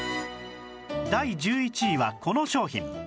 第１１位はこの商品